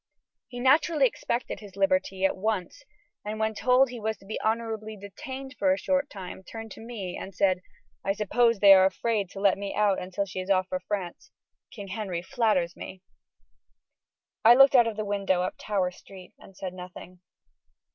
He naturally expected his liberty at once, and when told that he was to be honorably detained for a short time, turned to me and said: "I suppose they are afraid to let me out until she is off for France. King Henry flatters me." I looked out of the window up Tower street and said nothing.